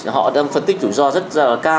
họ đang phân tích chủ do rất là cao